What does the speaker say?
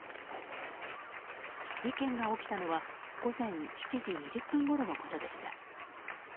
事件が起きたのは午前７時２０分ごろのことでした。